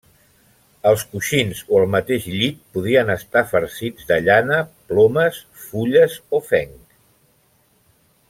Els coixins o el mateix llit podien estar farcits de llana, plomes, fulles o fenc.